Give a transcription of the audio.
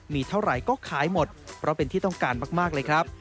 มีเท่าไหร่ก็ขายหมดเพราะเป็นที่ต้องการมากเลยครับ